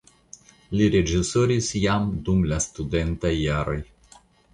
Li reĝisoris jam dum la studentaj jaroj.